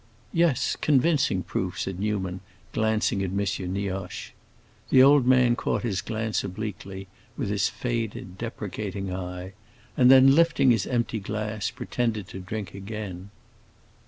"Yes, convincing proof," said Newman glancing at M. Nioche. The old man caught his glance obliquely, with his faded, deprecating eye, and then, lifting his empty glass, pretended to drink again.